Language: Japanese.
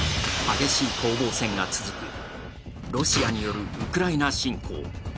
激しい攻防戦が続くロシアによるウクライナ侵攻。